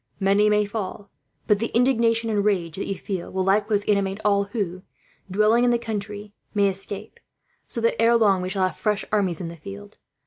Many may fall, but the indignation and rage that you feel will likewise animate all who, dwelling in the country, may escape; so that, ere long, we shall have fresh armies in the field.